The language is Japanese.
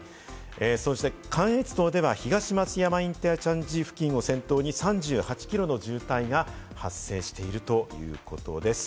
そして関越道では東松山インターチェンジ付近を先頭に３８キロの渋滞が発生しているということです。